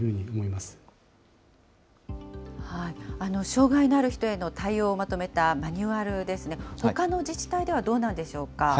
障害がある人への対応をまとめたマニュアルですね、ほかの自治体ではどうなんでしょうか。